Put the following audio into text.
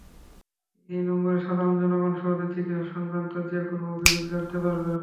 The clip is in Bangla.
এই নম্বরে সাধারণ জনগণ সহজেই চিকিৎসা সংক্রান্ত যে কোনো অভিযোগ জানাতে পারবেন।